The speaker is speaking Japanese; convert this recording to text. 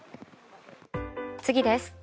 次です。